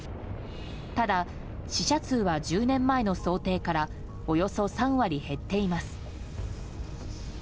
ただ、死者数は１０年前の想定からおよそ３割減っています。